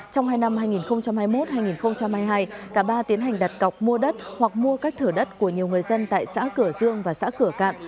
trong hai năm hai nghìn hai mươi một hai nghìn hai mươi hai cả ba tiến hành đặt cọc mua đất hoặc mua các thửa đất của nhiều người dân tại xã cửa dương và xã cửa cạn